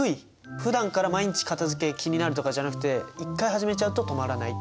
ふだんから毎日かたづけ気になるとかじゃなくて一回始めちゃうと止まらないタイプです。